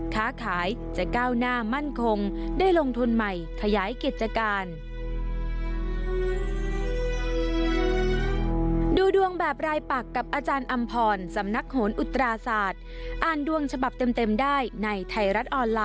ค้าขายจะก้าวหน้ามั่นคงได้ลงทุนใหม่ขยายกิจการ